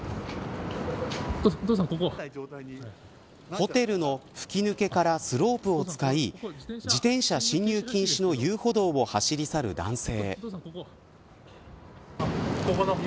ホテルの吹き抜けからスロープを使い自転車進入禁止の遊歩道を走り去る男性。